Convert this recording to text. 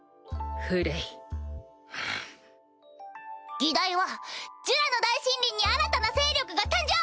議題は「ジュラの大森林に新たな勢力が誕生！